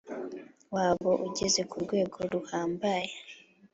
wabo ugeze ku rwego ruhambaye